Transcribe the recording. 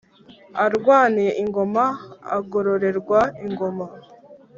arwaniye ingoma agororerwa ingoma.